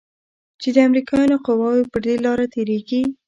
چې د امريکايانو قواوې پر دې لاره تېريږي.